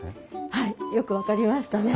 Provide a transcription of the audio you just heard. はいよく分かりましたね。